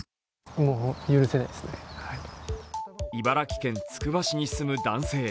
茨城県つくば市に住む男性。